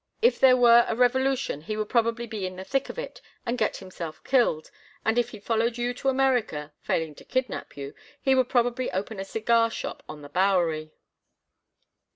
If there were a revolution he would probably be in the thick of it and get himself killed; and if he followed you to America—failing to kidnap you—he would probably open a cigar shop on the Bowery."